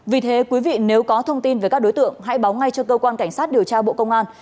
vì thế quý vị nếu có thông tin về các đối tượng hãy báo ngay cho cơ quan cảnh sát điều tra bộ công an